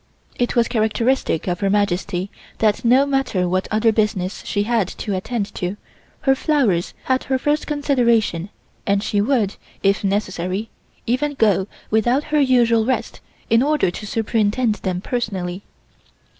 It was characteristic of Her Majesty that, no matter what other business she had to attend to, her flowers had her first consideration and she would, if necessary, even go without her usual rest in order to superintend them personally.